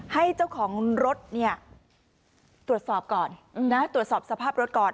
ให้เจ้าของรถเนี่ยตรวจสอบก่อนนะตรวจสอบสภาพรถก่อน